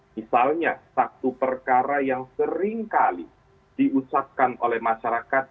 misalnya satu perkara yang seringkali diusapkan oleh masyarakat